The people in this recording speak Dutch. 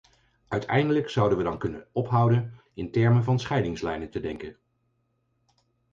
Uiteindelijk zouden we dan kunnen ophouden in termen van scheidingslijnen te denken.